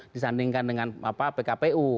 disandingkan dengan pkpu